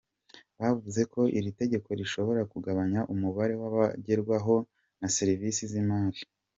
Bavuze ko iri tegeko rishobora kugabanya umubare w’abagerwaho na serivisi z’imari.